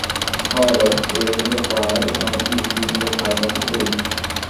However, raising the fry is not easy due to its high sensitivity.